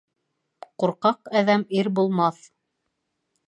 Ҡурҡаҡ әҙәм ир булмаҫ.